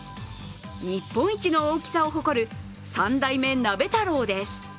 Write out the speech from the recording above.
日本一の大きさを誇る３代目鍋太郎です。